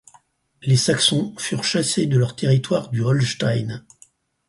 Les Saxons furent chassés de leurs territoires du Holstein.